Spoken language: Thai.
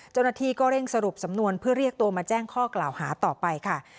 เจ้าหน้าที่ก็เร่งสรุปสำนวนเพื่อเรียกตัวมาแจ้งข้อกล่าวหาต่อไปค่ะ